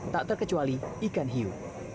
tak terkecuali ikan hiu